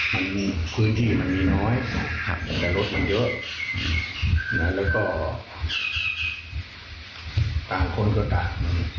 มันพื้นที่มันมีน้อยครับแต่รถมันเยอะนะแล้วก็ต่างคนก็ต่าง